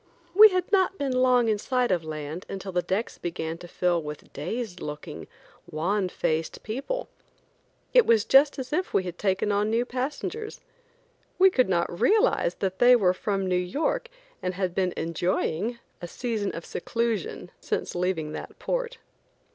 We had not been long in sight of land until the decks began to fill with dazed looking, wan faced people. It was just as if we had taken on new passengers. We could not realize that they were from New York and had been enjoying (?) a season of seclusion since leaving that port.